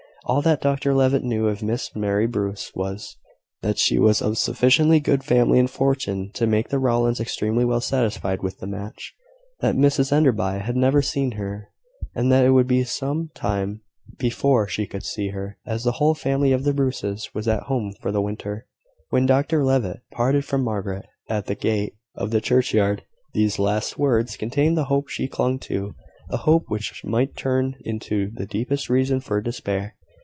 All that Dr Levitt knew of Miss Mary Bruce was, that she was of sufficiently good family and fortune to make the Rowlands extremely well satisfied with the match; that Mrs Enderby had never seen her, and that it would be some time before she could see her, as the whole family of the Bruces was at Rome for the winter. When Dr Levitt parted from Margaret at the gate of the churchyard, these last words contained the hope she clung to a hope which might turn into the deepest reason for despair.